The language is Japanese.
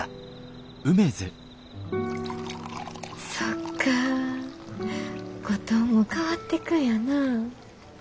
そっか五島も変わっていくんやな。